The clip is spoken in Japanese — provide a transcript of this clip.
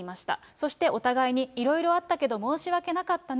そして、お互いにいろいろあったけど、申し訳なかったね。